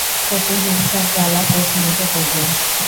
প্রতিহিংসার জ্বালা প্রশমিত করবে।